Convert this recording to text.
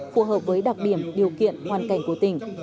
phù hợp với đặc điểm điều kiện hoàn cảnh của tỉnh